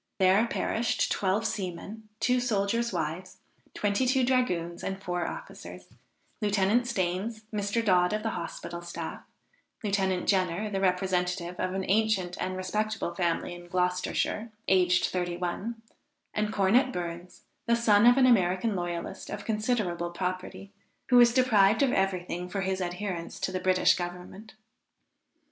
There perished, twelve seamen, two soldiers' wives, twenty two dragoons and four officers, Lieutenant Stains, Mr. Dodd of the hospital staff, Lieutenant Jenner, the representative of an ancient and respectable family in Gloucestershire, aged thirty one and Cornet Burns, the son of an American loyalist of considerable property, who was deprived of every thing for his adherence to the British Government.